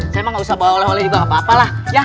saya emang gak usah bawa oleh oleh juga apa apa lah ya